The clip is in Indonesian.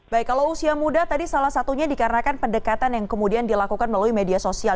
baik kalau usia muda tadi salah satunya dikarenakan pendekatan yang kemudian dilakukan melalui media sosial